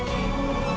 gue gak mau mulai